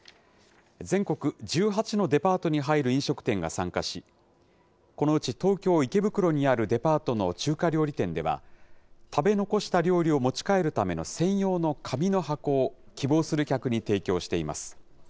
全国１８のデパートに入る飲食店が参加し、このうち東京・池袋にあるデパートの中華料理店では、食べ残した料理を持ち帰るための専用の紙の箱を、希望する客に提供しています。